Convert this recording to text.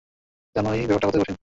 জানোই ব্যাপারটা কত কঠিন।